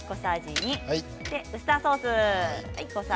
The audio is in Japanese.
ウスターソース。